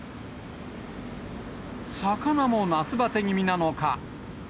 魚も夏ばて気味なのか。